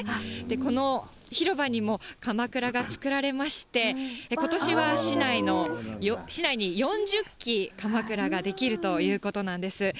この広場にも、かまくらが作られまして、ことしは市内に４０基かまくらが出来るということなんです。